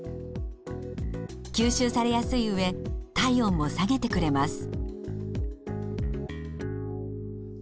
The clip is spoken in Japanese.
吸収されやすいうえ体温も下げてくれます。